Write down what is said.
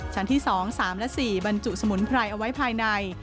ชั้นที่๒๓และ๔บรรจุสมุนไพรเอาไว้ภายใน